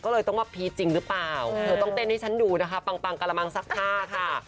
ก็เลยต้องมาพีชจริงหรือเปล่าเธอต้องเต้นให้ฉันดูนะคะปังกระมังซักผ้าค่ะ